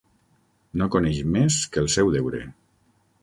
No coneix més que el seu deure.